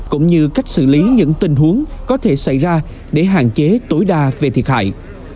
cũng như cách xử lý những tình huống có thể xảy ra để hạn chế tối đa về thiệt hại